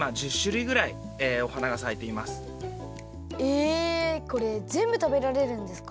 えこれぜんぶ食べられるんですか？